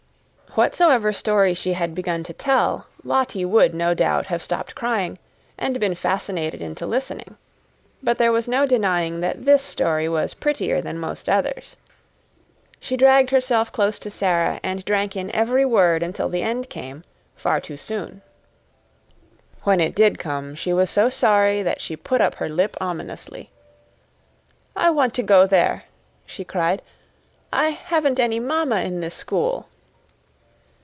Whatsoever story she had begun to tell, Lottie would, no doubt, have stopped crying, and been fascinated into listening; but there was no denying that this story was prettier than most others. She dragged herself close to Sara, and drank in every word until the end came far too soon. When it did come, she was so sorry that she put up her lip ominously. "I want to go there," she cried. "I haven't any mamma in this school."